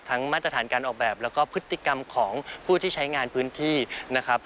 มาตรฐานการออกแบบแล้วก็พฤติกรรมของผู้ที่ใช้งานพื้นที่นะครับ